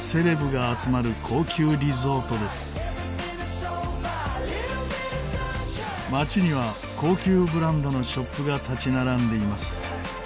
街には高級ブランドのショップが立ち並んでいます。